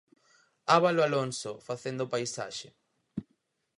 'Abalo Alonso, facendo paisaxe'.